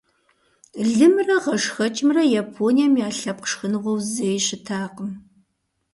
Лымрэ гъэшхэкӀымрэ Японием я лъэпкъ шхыныгъуэу зэи щытакъым.